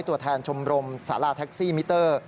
ตัวแทนชมรมสาราแท็กซี่มิเตอร์